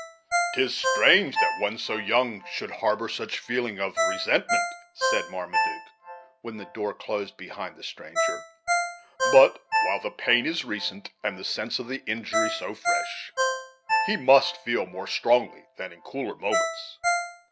"'Tis strange that one so young should harbor such feelings of resentment," said Marmaduke, when the door closed behind the stranger; "but while the pain is recent, and the sense of the injury so fresh, he must feel more strongly than in cooler moments.